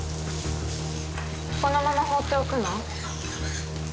このまま放っておくの？